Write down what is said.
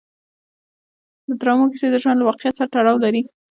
د ډرامو کیسې د ژوند له واقعیت سره تړاو لري.